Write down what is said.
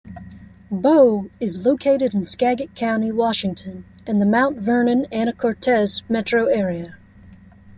Bow is located in Skagit County, Washington, in the Mount Vernon-Anacortes metro area.